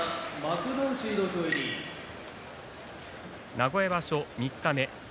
名古屋場所三日目です。